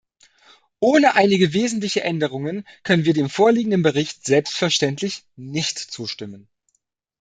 Ohne einige wesentliche Änderungen können wir dem vorliegenden Bericht selbstverständlich nicht zustimmen.